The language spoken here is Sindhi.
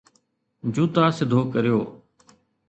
جوتا سڌو ڪريو